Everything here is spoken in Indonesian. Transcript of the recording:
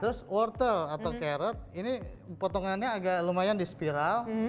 terus wortel atau carrot ini potongannya agak lumayan di spiral